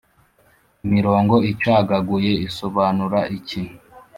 imirongo icagaguye isobanura iki